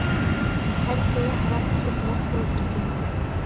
ھەر كۈنى ھاراق ئېچىپ مەست بولۇپ كېتىمەن.